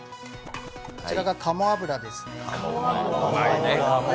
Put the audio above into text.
こちらが鴨油です。